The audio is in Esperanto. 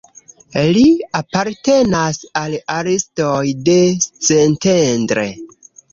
Li apartenas al artistoj de Szentendre.